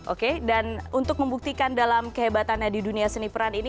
oke dan untuk membuktikan dalam kehebatannya di dunia seni peran ini